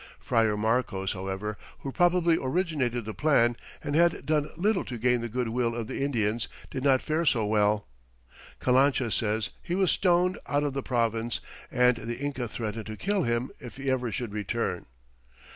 Friar Marcos, however, who probably originated the plan, and had done little to gain the good will of the Indians, did not fare so well. Calancha says he was stoned out of the province and the Inca threatened to kill him if he ever should return.